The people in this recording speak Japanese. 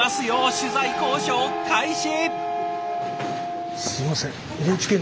取材交渉開始！